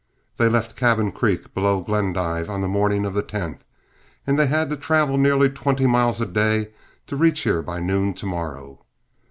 They left Cabin Creek, below Glendive, on the morning of the 10th, and they'll have to travel nearly twenty miles a day to reach here by noon to morrow.